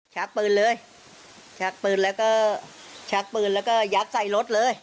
ชักปืนเลยชักปืนแล้วก็ชักปืนแล้วก็ยักษ์ใส่รถเลย